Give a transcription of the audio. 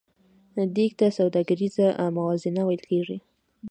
دې ته سوداګریزه موازنه ویل کېږي